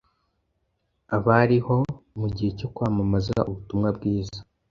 abariho mu gihe cyo kwamamaza ubutumwa bwiza